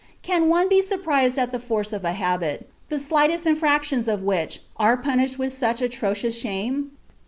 Can one be surprised at the force of a habit, the slightest infractions of which are punished with such atrocious shame?